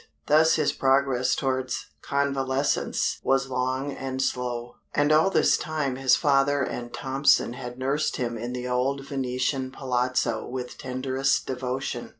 Thus his progress towards convalescence was long and slow. And all this time his father and Tompson had nursed him in the old Venetian palazzo with tenderest devotion.